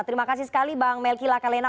terima kasih sekali bang melki lakalena